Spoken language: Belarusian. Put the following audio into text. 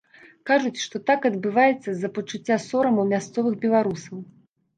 Кажуць, што так адбываецца з-за пачуцця сораму мясцовых беларусаў.